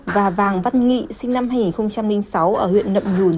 và vàng văn nghị sinh năm hai nghìn sáu ở huyện nậm nhùn